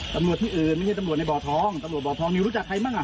ตำรวจที่อื่นไม่ใช่ตำรวจในบ่อทองตำรวจบ่อทองนิวรู้จักใครบ้างอ่ะ